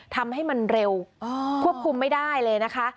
ทำให้มันเร็วควบคุมไม่ได้เลยนะคะ